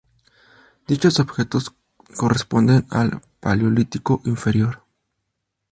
Dichos objetos corresponden al Paleolítico inferior.